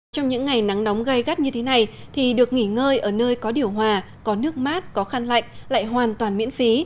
trong những ngày nắng nóng gai gắt như thế này thì được nghỉ ngơi ở nơi có điều hòa có nước mát có khăn lạnh lại hoàn toàn miễn phí